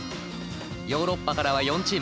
ヨーロッパからは４チーム。